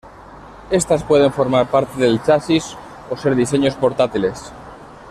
Estas pueden formar parte del chasis o ser diseños portátiles.